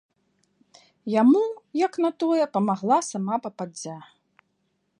Яму, як на тое, памагла сама пападдзя.